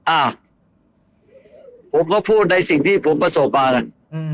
อ้าวผมก็พูดในสิ่งที่ผมประสบมานะ